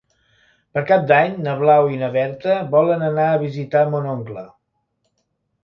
Per Cap d'Any na Blau i na Berta volen anar a visitar mon oncle.